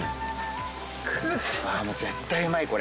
あもう絶対うまいこれ。